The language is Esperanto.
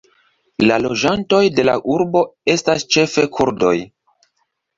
La loĝantoj de la urbo estas ĉefe kurdoj.